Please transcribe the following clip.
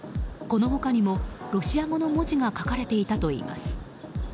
この他にも、ロシア語の文字が書かれていたといいます。